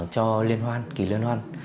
cho liên hoàn kỳ liên hoàn